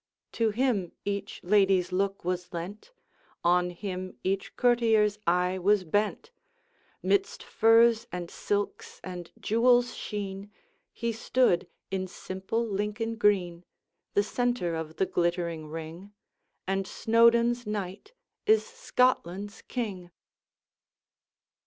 To him each lady's look was lent, On him each courtier's eye was bent; Midst furs and silks and jewels sheen, He stood, in simple Lincoln green, The centre of the glittering ring, And Snowdoun's Knight is Scotland's King!